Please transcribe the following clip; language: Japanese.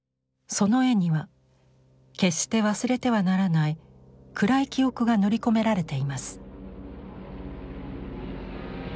その絵には決して忘れてはならない暗い記憶が塗り込められています。